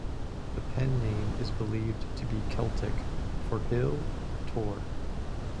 The name Pen is believed to be Celtic for hill or tor.